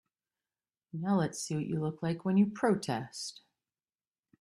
Now let's see what you look like when you protest.